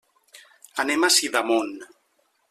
Anem a Sidamon.